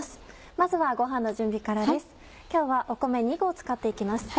まずはごはんの準備からです。